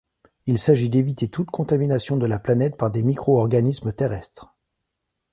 Il s'agit d'éviter toute contamination de la planète par des micro-organismes terrestres.